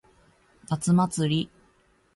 夏祭り。